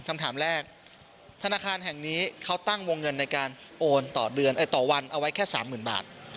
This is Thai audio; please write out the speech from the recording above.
คำถามแรกธนาคารแห่งนี้เขาตั้งวงเงินในการโอนต่อเดือนต่อวันเอาไว้แค่๓๐๐๐บาท